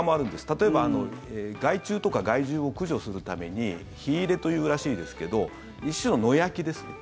例えば、害虫とか害獣を駆除するために火入れというらしいですけど一種の野焼きですね。